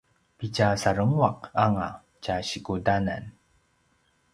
pitja sarenguaq anga tja sikudanan